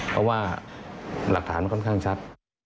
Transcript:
เพราะว่าหลักฐานมันค่อนข้างชัด